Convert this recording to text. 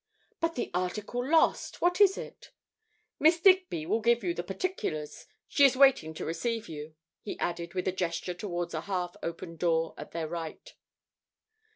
"But the article lost what is it?" "Miss Digby will give you the particulars. She is waiting to receive you," he added with a gesture towards a half open door at their right.